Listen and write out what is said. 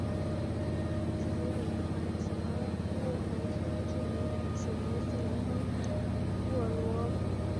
季米里亚泽沃农村居民点是俄罗斯联邦沃罗涅日州新乌斯曼区所属的一个农村居民点。